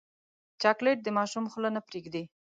چاکلېټ د ماشوم خوله نه پرېږدي.